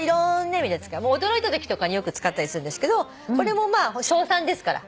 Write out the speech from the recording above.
驚いたときとかによく使ったりするんですけどこれも称賛ですから。